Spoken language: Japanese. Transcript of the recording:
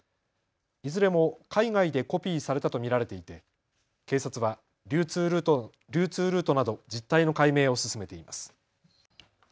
いずれも海外でコピーされたと見られていて警察は流通ルートなど実態の解明を進めています。